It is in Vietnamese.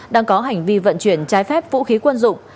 đang có hành vi vận chuyển trái phép vũ khí quân dụng